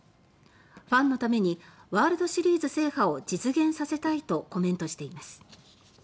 「ファンのためにワールドシリーズ制覇を実現させたい」とコメントしています。